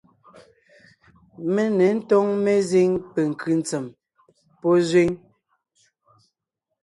Mé ně ńtóŋ mezíŋ penkʉ́ ntsèm pɔ́ zẅíŋ.